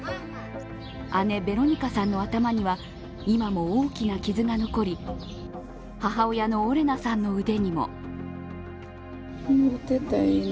姉・ベロニカさんの頭には今も大きな傷が残り母親のオレナさんの腕にも。